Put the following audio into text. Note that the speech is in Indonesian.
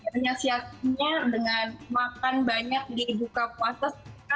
menasihatinya dengan makan banyak di buka puasa sekaligus untuk sahur